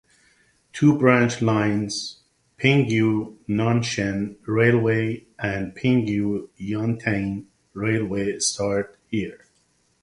Two branch lines (Pinghu–Nanshan railway and Pinghu–Yantian railway) start here.